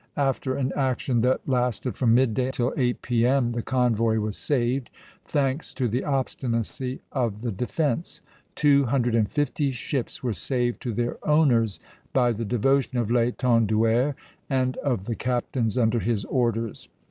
After an action that lasted from mid day till eight P.M. the convoy was saved, thanks to the obstinacy of the defence; two hundred and fifty ships were saved to their owners by the devotion of L'Étenduère and of the captains under his orders.